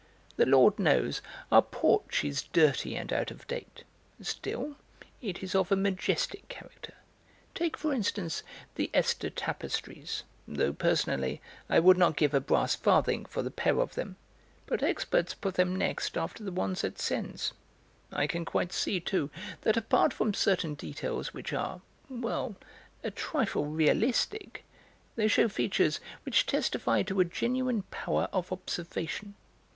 The Lord knows, our porch is dirty and out of date; still, it is of a majestic character; take, for instance, the Esther tapestries, though personally I would not give a brass farthing for the pair of them, but experts put them next after the ones at Sens. I can quite see, too, that apart from certain details which are well, a trifle realistic, they shew features which testify to a genuine power of observation.